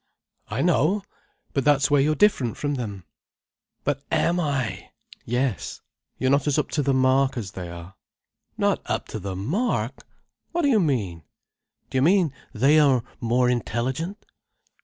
"I know. But that's where you're different from them." "But am I?" "Yes. You're not as up to the mark as they are." "Not up to the mark? What do you mean? Do you mean they are more intelligent?"